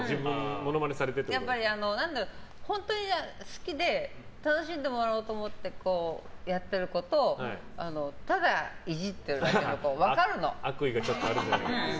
やっぱり、本当に好きで楽しんでもらおうと思ってやっている子とただイジっているだけの子悪意があるとか。